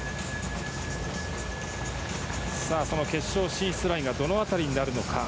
決勝進出ラインはどの辺りになるのか。